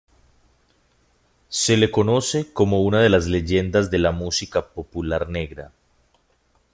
Se le conoce como una de las leyendas de la música popular negra.